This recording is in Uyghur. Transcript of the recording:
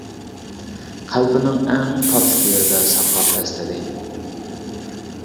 قەلبىنىڭ ئەڭ تاتلىق يېرىدە ساقلاپ ئەسلىدى.